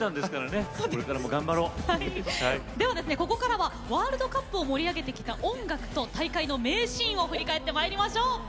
ここからはワールドカップを盛り上げてきた音楽と大会の名シーンを振り返ってまいりましょう。